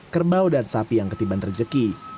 kerbau dan sapi yang ketiban terjeki